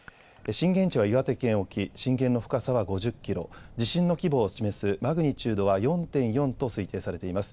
震源地は岩手県沖、震源の深さは５０キロ、地震の規模を示すマグニチュードは４．４と推定されています。